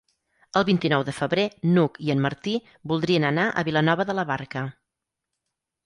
El vint-i-nou de febrer n'Hug i en Martí voldrien anar a Vilanova de la Barca.